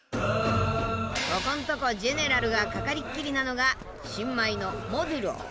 ここんとこジェネラルがかかりっきりなのが新米のモドゥロー。